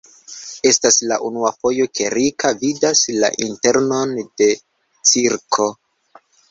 Estas la unua fojo, ke Rika vidas la internon de cirko.